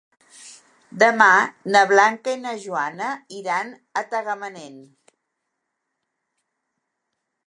Demà na Blanca i na Joana iran a Tagamanent.